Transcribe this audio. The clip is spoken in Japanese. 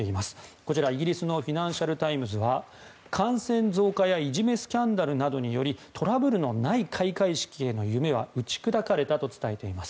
こちら、イギリスのフィナンシャル・タイムズは感染増加やいじめスキャンダルなどによりトラブルのない開会式への夢は打ち砕かれたと伝えています。